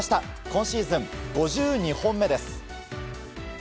今シーズン、５２本目です。